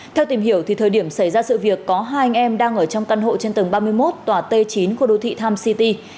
theo tìm hiểu thời điểm xảy ra sự việc có hai anh em đang ở trong căn hộ trên tầng ba mươi một tòa t chín khu đô thị times city